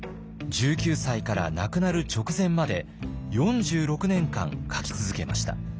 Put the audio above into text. １９歳から亡くなる直前まで４６年間書き続けました。